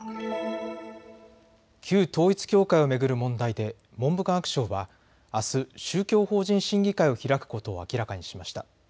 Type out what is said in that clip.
旧統一教会を巡る問題で文部科学省はあす宗教法人審議会を開くことを明らかにしました。